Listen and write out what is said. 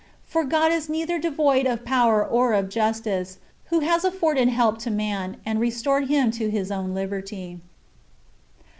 For God is neither devoid of power nor of justice, who has afforded help to man, and restored him to His own liberty.